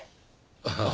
ああ。